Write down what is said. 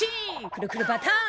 くるくるバターン。